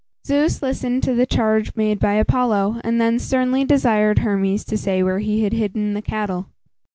Zeus listened to the charge made by Apollo, and then sternly desired Hermes to say where he had hidden the cattle.